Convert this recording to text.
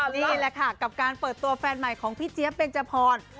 นี่แหละค่ะกับการเปิดตัวแฟนใหม่ของพี่เจี๊ยบเบนจพร